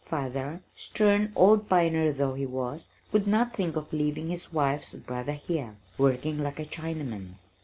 Father, stern old pioneer though he was, could not think of leaving his wife's brother here, working like a Chinaman.